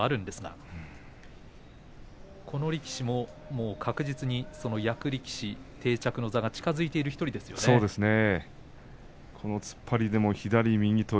この力士も確実に役力士定着が近づいている力士です、霧馬山です。